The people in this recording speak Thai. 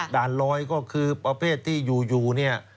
ด่านลอยก็คือประเภทที่อยู่เนี่ย